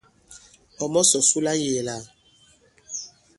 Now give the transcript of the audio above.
Ɔ̀ mɔ̀sɔ̀ su la ŋ̀yēē lā ?